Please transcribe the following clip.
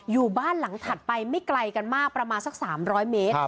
อยู่บ้านหลังถัดไปไม่ไกลกันมากประมาณสัก๓๐๐เมตร